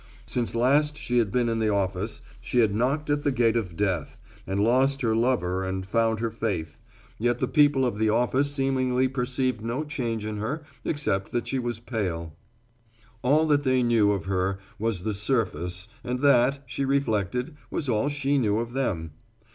Since last she had been in the office she had knocked at the gate of death and lost her lover and found her faith, yet the people of the office seemingly perceived no change in her except that she was pale. All that they knew of her was the surface and that, she reflected, was all she knew of them.